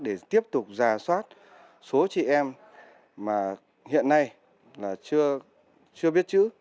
để tiếp tục giả soát số chị em mà hiện nay là chưa biết chữ